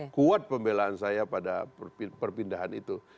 kuat pembelaan saya pada perpindahan itu